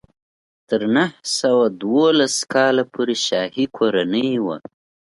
تر نهه سوه دولس کال پورې شاهي کورنۍ وه.